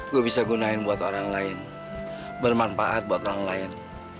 gue bisa gunain buat orang lain bermanfaat buat orang lain